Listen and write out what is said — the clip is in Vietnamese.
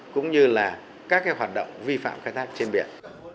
cũng như là các hoạt động vi phạm khai thác trên biển